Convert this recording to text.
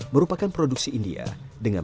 merupakan produksi india dengan